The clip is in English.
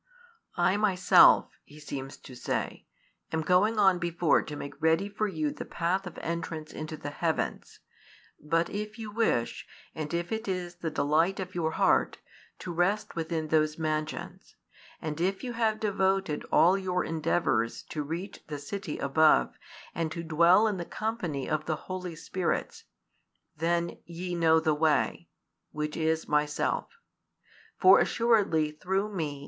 "I Myself," He seems to say, "am going on before to make ready for you the path of entrance into the heavens: but if you wish, and if it is the delight of your heart, to rest within those mansions, and if you have devoted all your endeavours to reach the city above and to dwell in the |239 company of the holy spirits, then ye know the way, which is Myself; for assuredly through Me.